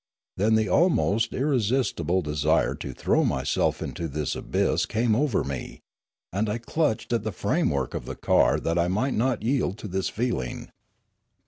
Then the almost irresistible desire to throw myself into this abyss came over me, and I clutched at the framework of the car that I might not yield to this feeling.